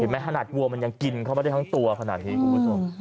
ไม่ขนาดวัวมันยังกินเข้าไปได้ทั้งตัวขนาดนี้คุณผู้ชม